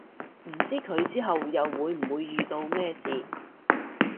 唔知佢之後又會唔會遇到咩事